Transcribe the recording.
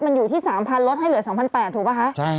มันอยู่ที่๓๐๐ลดให้เหลือ๒๘๐๐ถูกป่ะคะ